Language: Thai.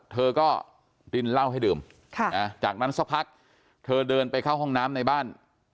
เธอก็รินเหล้าให้ดื่มจากนั้นสักพักเธอเดินไปเข้าห้องน้ำในบ้าน